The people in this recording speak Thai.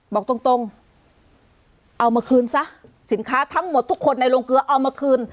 บอกตรงตรงเอามาคืนซะสินค้าทั้งหมดทุกคนในโรงเกลือเอามาคืน